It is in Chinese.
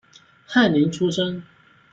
翰林出身。